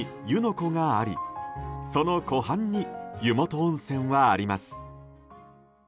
湖がありその湖畔に湯元温泉はあります。